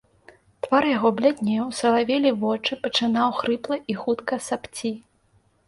Твар яго бляднеў, салавелі вочы, пачынаў хрыпла і хутка сапці.